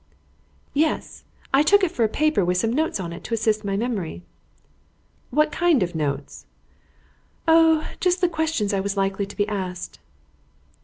"Yes, I took it for a paper with some notes on it to assist my memory." "What kind of notes?" "Oh, just the questions I was likely to be asked."